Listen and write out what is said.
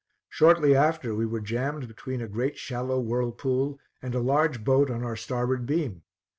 Shortly after we were jammed between a great shallow whirlpool and a large boat on our starboard beam.